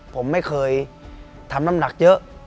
ผมไม่เคยทำน้ำหนักเยอะ